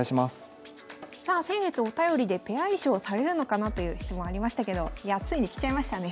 さあ先月お便りでペア衣装されるのかなという質問ありましたけどいやあついに着ちゃいましたね。